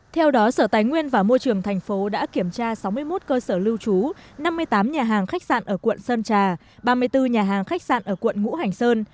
theo đó sở tài nguyên và môi trường thành phố đã kiểm tra sáu mươi một cơ sở lưu trú năm mươi tám nhà hàng khách sạn ở quận sơn trà ba mươi bốn nhà hàng khách sạn ở quận ngũ hành sơn